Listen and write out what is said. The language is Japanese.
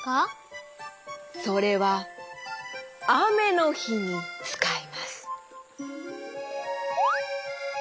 それはあめのひにつかいます。